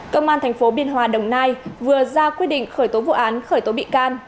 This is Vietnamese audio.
công an tp biên hòa đồng nai vừa ra quyết định khởi tố vụ án khởi tố bị can